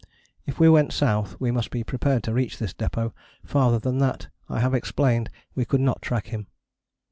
If we went south we must be prepared to reach this depôt: farther than that, I have explained, we could not track him.